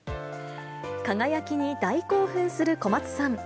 輝きに大興奮する小松さん。